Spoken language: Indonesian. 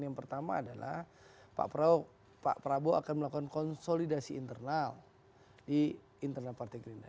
yang pertama adalah pak prabowo akan melakukan konsolidasi internal di internal partai gerindra